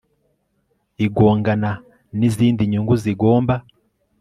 igongana n izindi nyungu zigomba